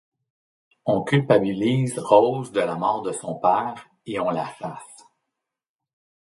On culpabilise Rose de la mort de son père et on la chasse.